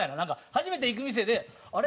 初めて行く店で「あれ？